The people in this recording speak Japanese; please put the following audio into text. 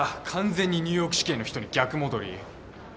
完全にニューヨーク市警の人に逆戻り。